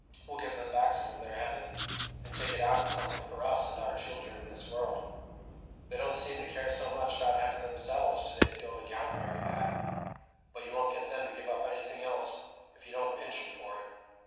We'll give them back some of their heaven, and take it out in something for us and our children in this world. They don't seem to care so much about heaven themselves till they feel the gout very bad; but you won't get them to give up anything else, if you don't pinch 'em for it.